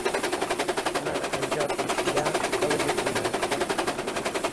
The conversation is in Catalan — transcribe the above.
Demà en Jordi irà a la Llacuna.